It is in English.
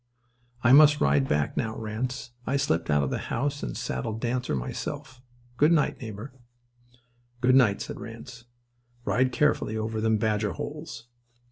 I must ride back now, Ranse. I slipped out of the house and saddled Dancer myself. Good night, neighbour." "Good night," said Ranse. "Ride carefully over them badger holes."